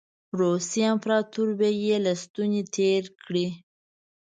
روسیې امپراطوري به یې له ستوني تېره کړي.